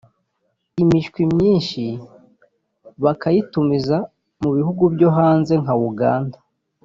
imishwi myinshi bakayitumiza mu bihugu byo hanze nka Uganda